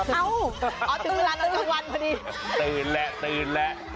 อ้าวตื่นมานานเจ้าวันพอดีตื่นแล้วแล้ว